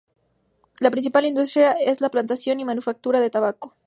La principal industria es la plantación y manufactura de tabaco.